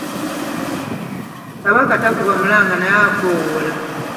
Kabaka takuba mulanga naye akoowoola.